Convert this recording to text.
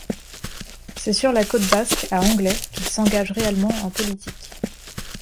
C’est sur la Côte basque, à Anglet qu'il s'engage réellement en politique.